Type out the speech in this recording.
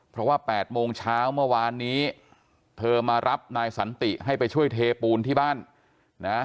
เพราะว่า๘โมงเช้าเมื่อวานนี้เธอมารับนายสันติให้ไปช่วยเทปูนที่บ้านนะ